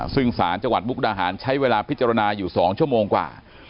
ซึ่งสารจังหวัดมุกดาหารใช้เวลาพิจารณาอยู่๒ชั่วโมงกว่า